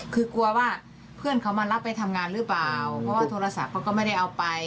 คือกลัวว่าเพื่อนเขามารับไปทำงานหรือเปล่าเพราะว่าโทรศัพท์เขาก็ไม่ได้เอาไป